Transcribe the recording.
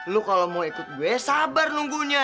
lu kalau mau ikut gue sabar nunggunya